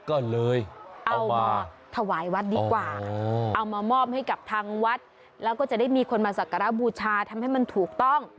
ก็เลยเอามาถวายวัดดีกว่าเอามามอบให้กับทางวัดแล้วก็จะได้มีคนมาสักการะบูชาทำให้มันถูกต้อง